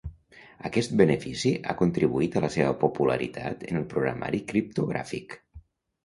Aquest benefici ha contribuït a la seva popularitat en el programari criptogràfic.